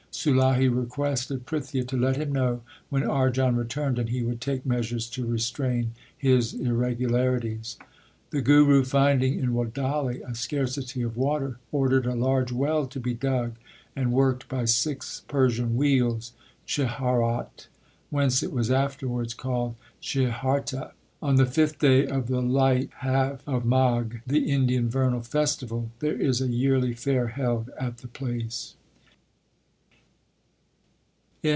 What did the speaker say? Sulahi requested Prithia to let him know when Arjan returned, and he would take measures to restrain his irregularities. LIFE OF GURU ARJAN 35 The Guru, finding in Wadali a scarcity of water, ordered a large well to be dug and worked by six Persian wheels (chheharat), whence it was afterwards called Chhiharta. On the fifth day of the light half of Magh, the Indian vernal festival, there is a yearly fair held at the place.